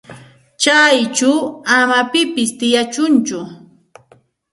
Chayćhu ama pipis tiyachunchu.